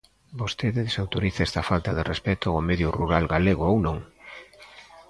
¿Vostede desautoriza esta falta de respecto ao medio rural galego ou non?